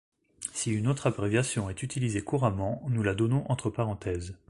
Si une autre abréviation est utilisée couramment, nous la donnons entre parenthèses.